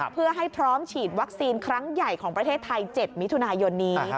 เพื่อให้พร้อมฉีดวัคซีนครั้งใหญ่ของประเทศไทย๗มิถุนายนนี้